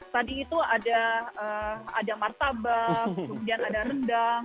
tadi itu ada martabak kemudian ada rendang